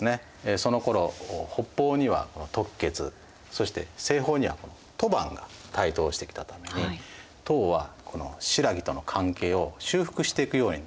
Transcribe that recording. そのころ北方には突厥そして西方には吐蕃が台頭してきたために唐はこの新羅との関係を修復していくようになっていきます。